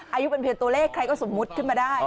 อายุเป็นเพียงตัวเลขใครก็สมมุติขึ้นมาได้